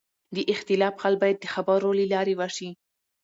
د اختلاف حل باید د خبرو له لارې وشي